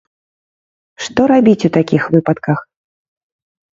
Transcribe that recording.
Што рабіць у такіх выпадках?